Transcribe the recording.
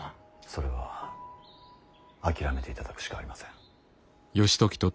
それは諦めていただくしかありません。